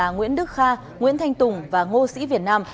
nguyễn đức kha nguyễn thanh tùng và ngô sĩ việt nam